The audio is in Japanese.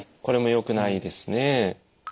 これもよくないですね。